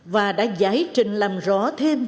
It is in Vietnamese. và đã giải trình làm rõ thêm